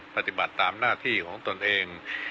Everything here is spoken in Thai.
ปฏิบัติตามหน้าที่ของตนเอง